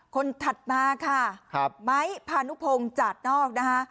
ถัดมาค่ะไม้พานุพงศ์จาดนอกนะคะ